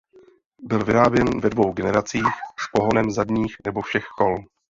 Byl vyráběn ve dvou generacích s pohonem zadních nebo všech kol.